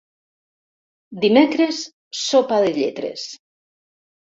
Dimecres, sopa de lletres.